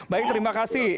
baik terima kasih